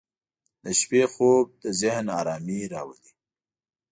• د شپې خوب د ذهن آرامي راولي.